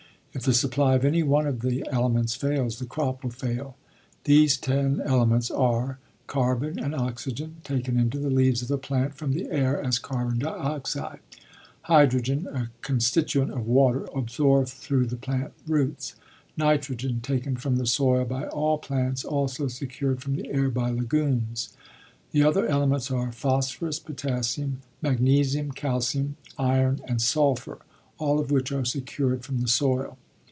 If the supply of any one of the elements fails, the crop will fail. These ten elements are carbon and oxygen taken into the leaves of the plant from the air as carbon dioxide; hydrogen, a constituent of water absorbed through the plant roots; nitrogen, taken from the soil by all plants also secured from the air by legumes. The other elements are phosphorus, potassium, magnesium, calcium, iron and sulphur, all of which are secured from the soil.